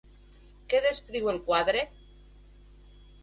Què descriu el quadre?